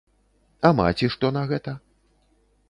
А маці што на гэта?